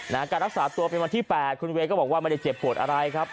การรักษาตัวเป็นวันที่๘คุณเวย์ก็บอกว่าไม่ได้เจ็บปวดอะไรครับ